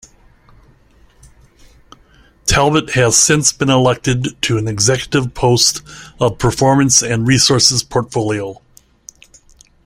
Talbot has since been elected to an Executive post of Performance and Resources Portfolio.